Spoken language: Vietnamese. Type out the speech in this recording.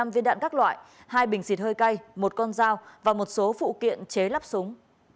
một mươi viên đạn các loại hai bình xịt hơi cay một con dao và một số phụ kiện chế lắp súng